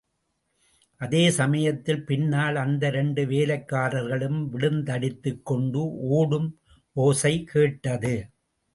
அதே சமயத்தில் பின்னால், அந்த இரண்டு வேலைக்காரர்களும் விழுந்தடித்துக் கொண்டு ஓடும் ஓசை கேட்டது.